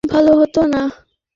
ওর জায়গায় আমি বললে ভালো হতো না?